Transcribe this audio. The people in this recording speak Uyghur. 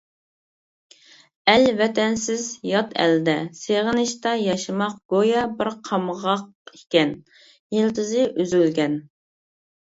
ئەل ۋەتەنسىز يات ئەلدە، سېغىنىشتا ياشىماق، گويا بىر قامغاق ئىكەن، يىلتىزى ئۈزۈلگەن!